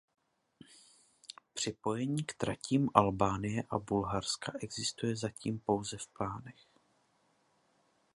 Připojení k tratím Albánie a Bulharska existuje zatím pouze v plánech.